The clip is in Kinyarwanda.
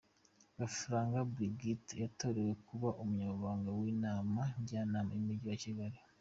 Gafaranga Brigitte yatorewe kuba Umunyamabanga w’Inama Njyanama y’Umujyi wa Kigali.